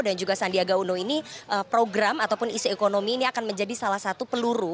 dan juga sandiaga uno ini program ataupun isi ekonomi ini akan menjadi salah satu peluru